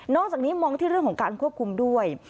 จากนี้มองที่เรื่องของการควบคุมด้วย